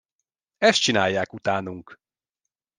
Ezt csinálják utánunk!